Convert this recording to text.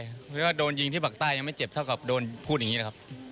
เพราะว่าโดนยิงที่ปากใต้ยังไม่เจ็บเท่ากับโดนพูดอย่างนี้นะครับ